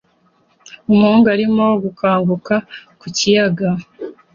Umuhungu arimo gukanguka ku kiyaga